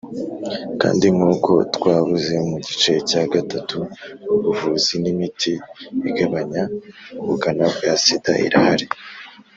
kandi nk’uko twavuze mu gice cya gatatu ubuvuzi n’imiti igabanya ubukana bwa sida irahari.